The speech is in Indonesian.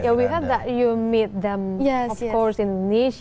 ya kami tahu anda bertemu mereka di indonesia